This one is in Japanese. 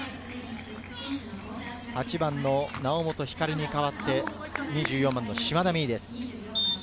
８番・猶本光に代わって、２４番・島田芽依です。